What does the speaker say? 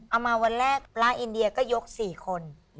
มาวันแรกร้านอินเดียก็ยก๔คน